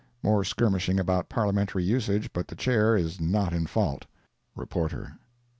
[More skirmishing about parliamentary usage but the Chair is not in fault.—REPORTER.